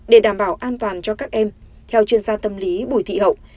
để đảm bảo an toàn cho các em theo chuyên gia tâm lý bùi thị hậu